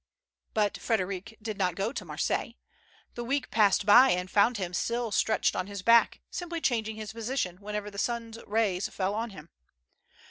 But Frederic did not go to Marseilles. The w^eek passed by and found him still stretched on his back, simply changing his position, whenever the sun's rays fell on him.